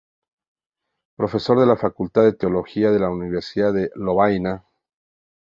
Profesor de la facultad de Teología de la Universidad de Lovaina.